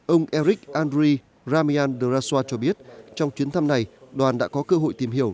ông eric andre ramean duraswa cho biết trong chuyến thăm này đoàn đã có cơ hội tìm hiểu